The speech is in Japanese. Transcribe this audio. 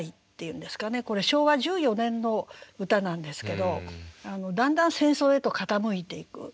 これ昭和１４年の歌なんですけどだんだん戦争へと傾いていく。